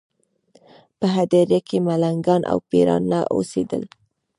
په هدیره کې ملنګان او پېران نه اوسېدل.